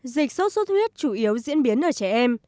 dịch sốt xuất huyết chủ yếu diễn biến ở trẻ em